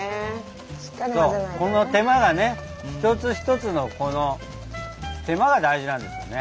この手間がねひとつひとつのこの手間が大事なんですよね。